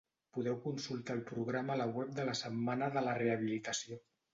Podeu consultar el programa a la web de la Setmana de la Rehabilitació.